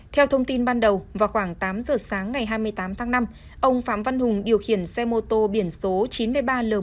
theo thông tin ban đầu vào khoảng tám giờ sáng ngày hai mươi tám tháng năm ông phạm văn hùng điều khiển xe mô tô biển số chín mươi ba l một hai mươi nghìn năm trăm năm mươi chín